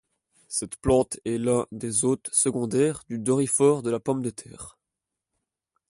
Cette plante est l'un des hôtes secondaires du doryphore de la pomme de terre.